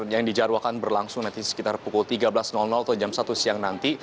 yang dijaruhkan berlangsung nanti sekitar pukul tiga belas atau jam satu siang nanti